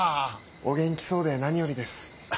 お元気そうで何よりです。